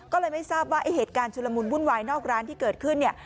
ก็เลยไม่ทราบว่าไอ้เหตุการณ์ชุลมุนวุ่นวายนอกร้านที่เกิดขึ้นเนี่ย